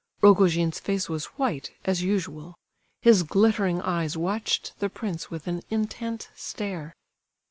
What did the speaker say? Rogojin's face was white, as usual. His glittering eyes watched the prince with an intent stare.